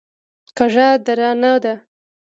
کږه درانه ده.